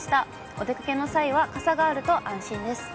お出かけの際は傘があると安心です。